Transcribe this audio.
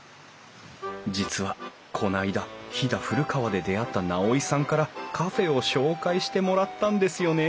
実はこないだ飛騨古川で出会った直井さんからカフェを紹介してもらったんですよね